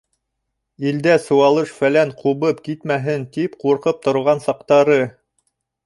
Илдә сыуалыш-фәлән ҡубып китмәһен тип ҡурҡып торған саҡтары.